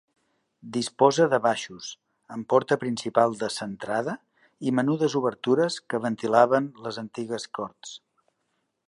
Disposa de baixos, amb porta principal descentrada i menudes obertures que ventilaven les antigues corts.